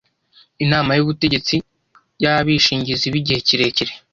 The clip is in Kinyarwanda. inama y’ubutegetsi y’abishingizi b’igihe kirekire